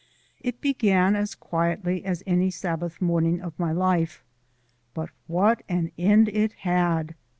It began as quietly as any Sabbath morning of my life, but what an end it had!